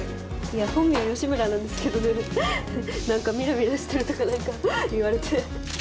いや本名は吉村なんですけどね何かミラミラしてるとか何か言われて。